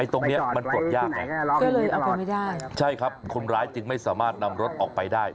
ตรงนี้มันปลดยากนะใช่ครับคนร้ายจริงไม่สามารถนำรถออกไปได้